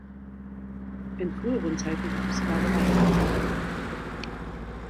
In früheren Zeiten gab es Sklaverei.